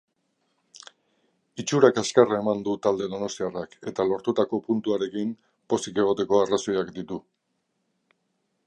Itxura kaskarra eman du talde donostiarrak eta lortutako puntuarekin pozik egoteko arrazoiak ditu.